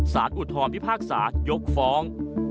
อุทธรพิพากษายกฟ้อง